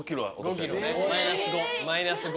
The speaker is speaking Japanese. マイナス５。